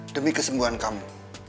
demi kesembuhan kamu